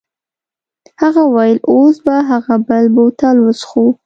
هغه وویل اوس به هغه بل بوتل وڅښو.